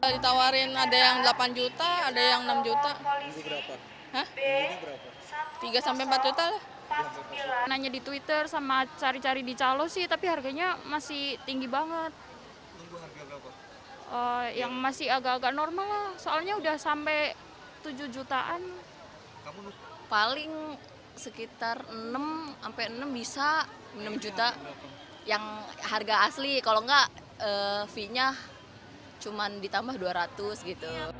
dan paling sekitar enam enam bisa enam juta yang harga asli kalau enggak fee nya cuma ditambah dua ratus gitu